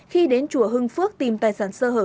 khi đến chùa hưng phước tìm tài sản sơ hở